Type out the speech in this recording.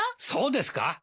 そうですか？